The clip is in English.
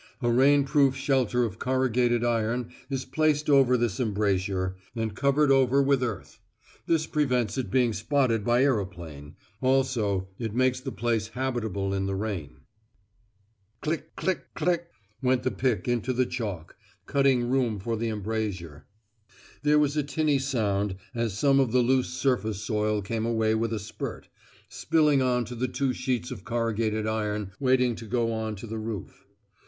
A rainproof shelter of corrugated iron is placed over this embrasure, and covered over with earth; this prevents it being spotted by aeroplane; also it makes the place habitable in the rain. Here is a section of a typical sniper's post: "Click, click click" went the pick into the chalk, cutting room for the embrasure; there was a tinny sound as some of the loose surface soil came away with a spurt, spilling on to the two sheets of corrugated iron waiting to go on to the roof.